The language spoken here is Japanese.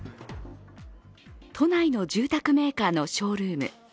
都内の住宅メーカーのショールーム。